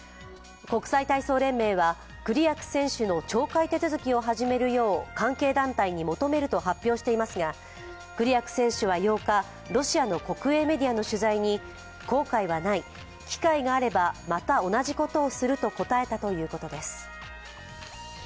国際体操連盟はクリアク選手の懲戒手続きを始めるよう関係団体に求めると発表していますがクリアク選手は８日ロシアの国営メディアの取材に後悔はない、機会があればまた同じことをすると答えたということです。